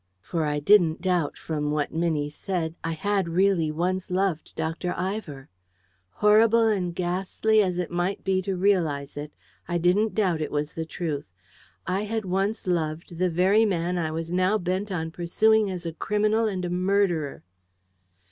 For I didn't doubt, from what Minnie said, I had really once loved Dr. Ivor. Horrible and ghastly as it might be to realise it, I didn't doubt it was the truth. I had once loved the very man I was now bent on pursuing as a criminal and a murderer!